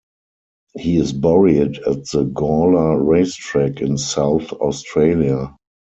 He is buried at the Gawler Racetrack in South Australia.